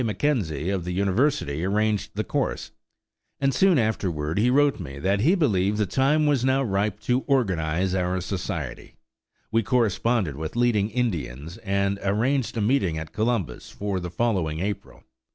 McKenzie of the university arranged the course, and soon afterward he wrote me that he believed the time was now ripe to organize our society. We corresponded with leading Indians and arranged a meeting at Columbus for the following April.